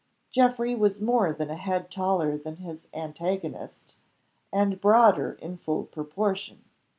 Geoffrey was more than a head taller than his antagonist, and broader in full proportion.